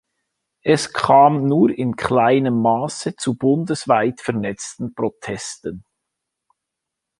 Es kam nur in kleinem Maße zu bundesweit vernetzten Protesten.